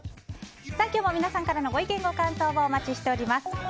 今日も、皆様からのご意見ご感想をお待ちしております。